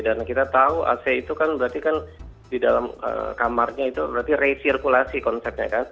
kita tahu ac itu kan berarti kan di dalam kamarnya itu berarti resirkulasi konsepnya kan